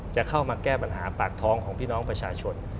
จะเข้ามาแก้ปัญหาปากท้องของพี่น้องประชาชน